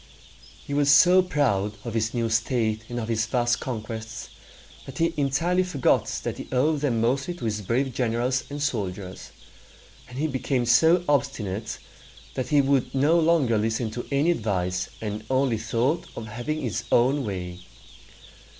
He was so proud of his new state and of his vast conquests, that he entirely forgot that he owed them mostly to his brave generals and soldiers; and he became so obstinate, that he would no longer listen to any advice, and only thought of having his own way.